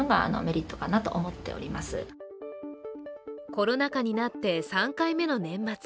コロナ禍になって３回目の年末。